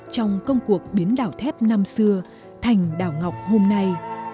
trong công cuộc biến đảo thép năm xưa thành đảo ngọc hôm nay